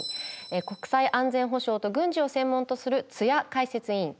国際安全保障と軍事を専門とする津屋解説委員。